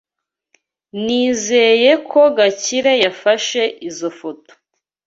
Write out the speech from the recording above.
Nizeye ko Gakire yafashe izoi foto.